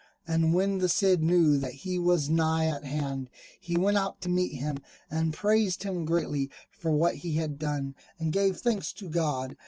And when the Cid knew that he was nigh at hand he went out to meet him, and praised him greatly for what he had done, and gave thanks to God.